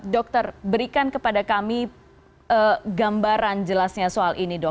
dokter berikan kepada kami gambaran jelasnya soal ini dok